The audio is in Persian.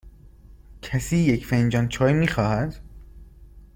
کسی یک فنجان چای می خواهد؟